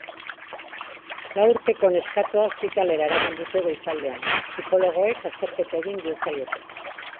Lau urteko neskatoa ospitalera eraman duten goizaldean, psikologoek azterketa egin diezaioten.